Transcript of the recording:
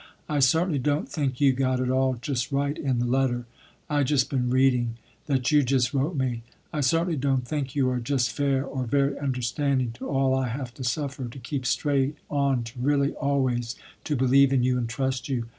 "I certainly don't think you got it all just right in the letter, I just been reading, that you just wrote me. I certainly don't think you are just fair or very understanding to all I have to suffer to keep straight on to really always to believe in you and trust you.